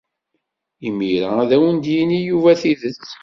Imir-a ad awen-d-yini Yuba tidet.